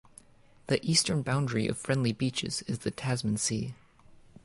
The eastern boundary of Friendly Beaches is the "Tasman Sea".